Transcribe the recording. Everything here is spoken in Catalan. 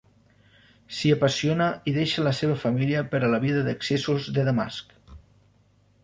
S'hi apassiona i deixa la seva família per a la vida d'excessos de Damasc.